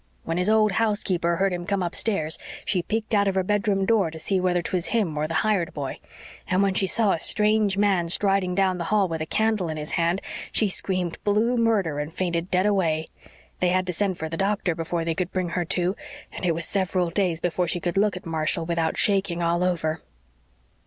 When his old housekeeper heard him come upstairs she peeked out of her bedroom door to see whether 'twas him or the hired boy. And when she saw a strange man striding down the hall with a candle in his hand she screamed blue murder and fainted dead away. They had to send for the doctor before they could bring her to, and it was several days before she could look at Marshall without shaking all over."